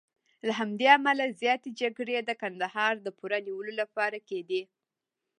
له همدې امله زیاتې جګړې د کندهار د پوره نیولو لپاره کېدې.